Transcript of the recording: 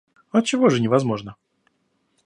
Отчего же невозможно?